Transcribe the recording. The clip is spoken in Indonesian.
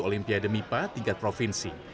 olimpiade mipa tingkat provinsi